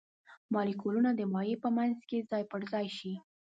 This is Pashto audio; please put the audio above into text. مالیکولونه د مایع په منځ کې ځای پر ځای شي.